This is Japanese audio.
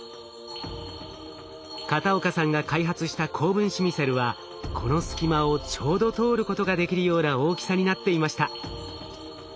片岡さんが開発した高分子ミセルはこの隙間をちょうど通ることができるような大きさになっていました。